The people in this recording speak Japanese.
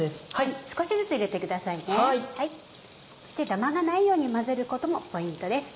ダマがないように混ぜることもポイントです。